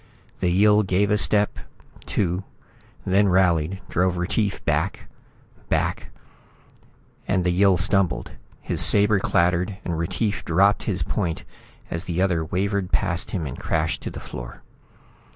The Yill gave a step, two, then rallied, drove Retief back, back And the Yill stumbled. His sabre clattered, and Retief dropped his point as the other wavered past him and crashed to the floor.